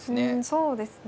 そうですね。